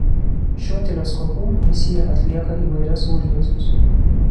Šiuo teleskopu misija atlieka įvairias užduotis.